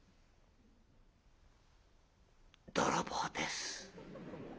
「泥棒です」。